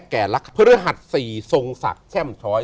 แก่ลักษณ์พฤหัสสี่ทรงศักดิ์แช่มช้อย